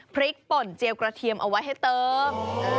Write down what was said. ป่นเจียวกระเทียมเอาไว้ให้เติม